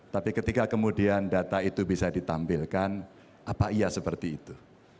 tapi ketika kemudian data itu bisa ditampilkan apa iya seperti itu